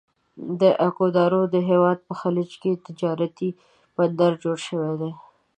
د اکوادور د هیواد په خلیج کې تجارتي بندر جوړ شوی دی.